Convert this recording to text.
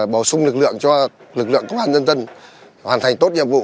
bổ sung lực lượng cho lực lượng công an nhân dân hoàn thành tốt nhiệm vụ